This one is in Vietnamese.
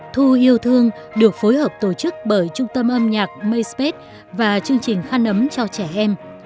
thu yêu thương được phối hợp tổ chức bởi trung tâm âm nhạc macep và chương trình khăn ấm cho trẻ em